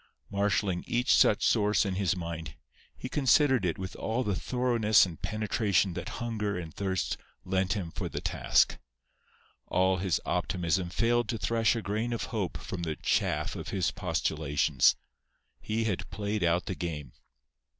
Marshalling each such source in his mind, he considered it with all the thoroughness and penetration that hunger and thirst lent him for the task. All his optimism failed to thresh a grain of hope from the chaff of his postulations. He had played out the game.